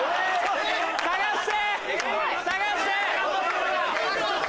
探して！